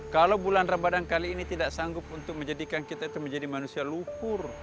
kalau bulan ramadhan kali ini tidak sanggup untuk menjadikan kita itu menjadi manusia lukur